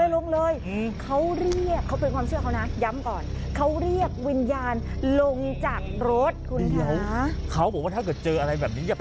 ลงเลยเห็นหน้านั่งหูป่าวหลังอ่ะ